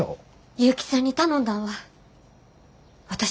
結城さんに頼んだんは私です。